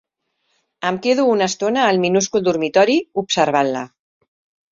Em quedo una estona al minúscul dormitori, observant-la.